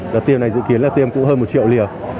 đợt tiêm này dự kiến là tiêm cũng hơn một triệu liều